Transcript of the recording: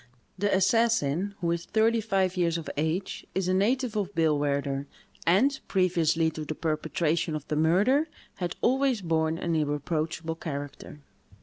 The assassin, who is thirty five years of age, is a native of Billwaerder, and, previously to the perpetration of the murder, had always borne an irreproachable character."